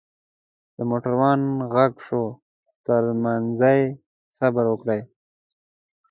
دموټروان ږغ شو ترتمځای صبروکړئ.